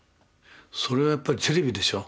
それはやっぱりテレビでしょ。